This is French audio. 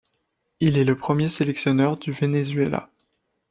Il est le premier sélectionneur du Venezuela.